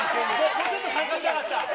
もうちょっと参加したかった？